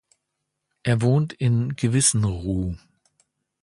Er wohnt in Gewissenruh.